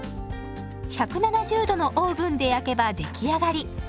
１７０度のオーブンで焼けば出来上がり。